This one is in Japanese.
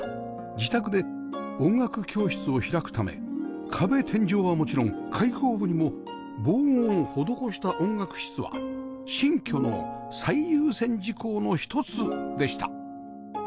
自宅で音楽教室を開くため壁天井はもちろん開口部にも防音を施した音楽室は新居の最優先事項の一つでした。